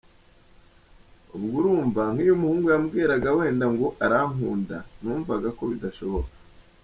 Ubwo urumva nk’iyo umuhungu yambwiraga wenda ngo arankunda, numvaga ko bidashoboka.